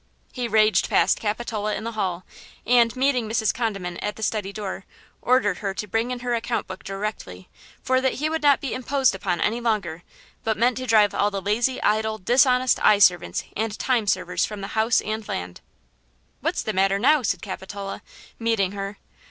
He raged past Capitola in the hall, and, meeting Mrs. Condiment at the study door, ordered her to bring in her account book directly, for that he would not be imposed upon any longer, but meant to drive all the lazy, idle, dishonest eye servants and time servers from the house and land! "What's the matter now?" said Capitola, meeting her.